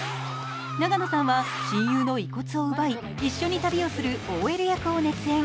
永野さんは親友の遺骨を奪い一緒に旅をするＯＬ役を熱演。